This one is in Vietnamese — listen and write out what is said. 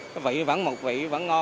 cái vị vẫn một vị vẫn ngon